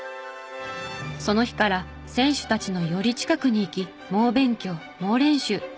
その日から選手たちのより近くに行き猛勉強猛練習。